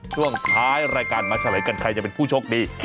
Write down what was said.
ช่วงท้ายรายการมาเฉลยกันใครจะเป็นผู้โชคดี